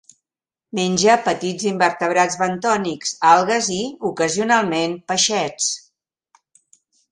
Menja petits invertebrats bentònics, algues i, ocasionalment, peixets.